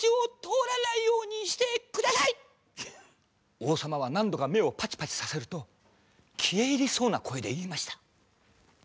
王様は何度か目をパチパチさせると消え入りそうな声で言いました。